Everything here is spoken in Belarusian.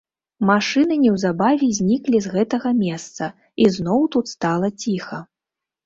Машыны неўзабаве зніклі з гэтага месца, і зноў тут стала ціха.